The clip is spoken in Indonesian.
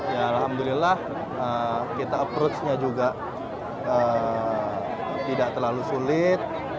ya alhamdulillah kita approach nya juga tidak terlalu sulit